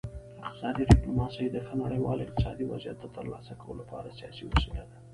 اقتصادي ډیپلوماسي د ښه نړیوال اقتصادي وضعیت د ترلاسه کولو لپاره سیاسي وسیله ده